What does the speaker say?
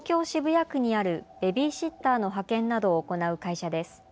渋谷区にあるベビーシッターの派遣などを行う会社です。